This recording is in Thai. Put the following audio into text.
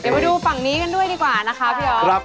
เดี๋ยวมาดูฝั่งนี้กันด้วยดีกว่านะครับเพียวครับ